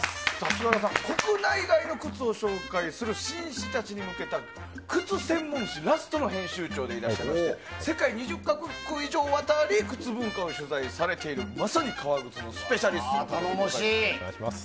菅原さんは国内外の靴を紹介する紳士たちに向けた靴専門誌「ＬＡＳＴ」の編集長でいらっしゃいまして世界２０か国以上を渡り靴文化を取材されているまさに革靴のスペシャリストということでございます。